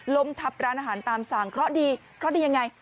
ล้มทับร้านอาหารตามสั่งเคราะห์ดีเคราะห์ดียังไง